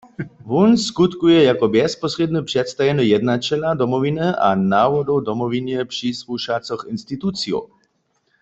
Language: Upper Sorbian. Wón skutkuje jako bjezposrědny předstajeny jednaćela Domowiny a nawodow Domowinje přisłušacych institucijow.